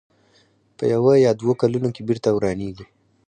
په یوه یا دوو کلونو کې بېرته ورانېږي.